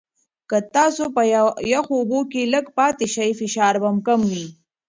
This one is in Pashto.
که تاسو په یخو اوبو کې لږ پاتې شئ، فشار به کم وي.